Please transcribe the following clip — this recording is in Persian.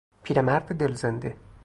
پیر مرد دل زنده